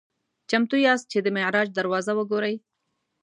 "چمتو یاست چې د معراج دروازه وګورئ؟"